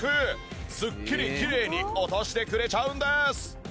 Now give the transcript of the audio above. すっきりきれいに落としてくれちゃうんです！